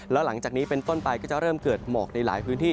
แล้วหลังจากนี้เป็นต้นไปก็จะเริ่มเกิดหมอกในหลายพื้นที่